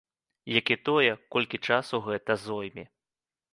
Як і тое, колькі часу гэта зойме.